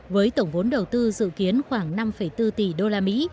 với tổng vốn đầu tư dự kiến khoảng năm bốn tỷ usd